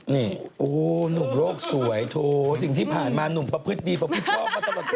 นี่โอ้หนุ่มโลกสวยโถสิ่งที่ผ่านมาหนุ่มประพฤติดีประพฤติชอบมาตลอด